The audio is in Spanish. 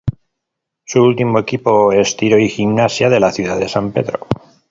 Su último equipo es Tiro y Gimnasia de la ciudad de San Pedro.